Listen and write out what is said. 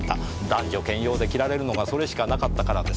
男女兼用で着られるのがそれしかなかったからです。